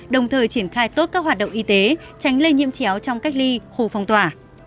đồng thời triển khai tốt các hoạt động y tế tránh lây nhiễm chéo trong cách ly khu phong tỏa